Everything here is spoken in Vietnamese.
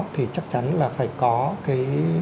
thì chắc chắn là phải có cái